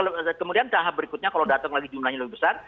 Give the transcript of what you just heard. kemudian tahap berikutnya kalau datang lagi jumlahnya lebih besar